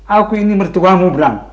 aku ini mertuamu bram